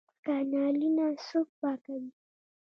کانالونه څوک پاکوي؟